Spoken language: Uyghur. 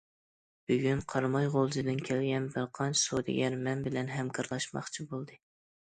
بۈگۈن قاراماي، غۇلجىدىن كەلگەن بىر قانچە سودىگەر مەن بىلەن ھەمكارلاشماقچى بولدى.